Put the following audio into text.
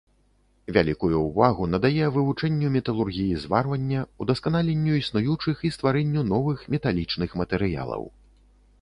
Вялікую ўвагу надае вывучэнню металургіі зварвання, удасканаленню існуючых і стварэнню новых металічных матэрыялаў.